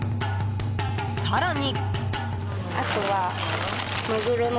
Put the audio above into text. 更に。